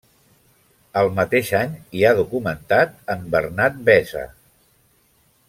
El mateix any hi ha documentat en Bernat Vesa.